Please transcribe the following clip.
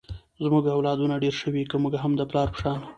زمونږ اولادونه ډېر شوي ، که مونږ هم د پلار په شان